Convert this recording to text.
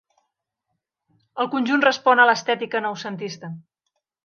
El conjunt respon a l'estètica noucentista.